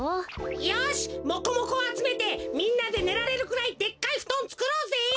よしモコモコをあつめてみんなでねられるくらいでっかいふとんつくろうぜ！